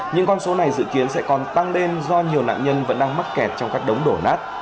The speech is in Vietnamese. những con số này dự kiến sẽ còn tăng lên do nhiều nạn nhân vẫn đang mắc kẹt trong các đống đổ nát